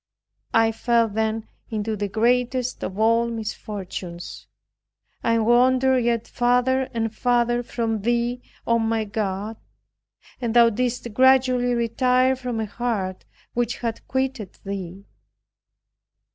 I fell then into the greatest of all misfortunes. I wandered yet farther and farther from Thee, O my God, and thou didst gradually retire from a heart which had quitted Thee.